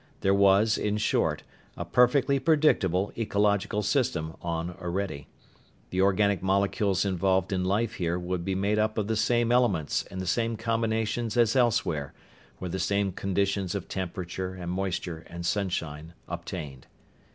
There was, in short, a perfectly predictable ecological system on Orede. The organic molecules involved in life here would be made up of the same elements in the same combinations as elsewhere where the same conditions of temperature and moisture and sunshine obtained.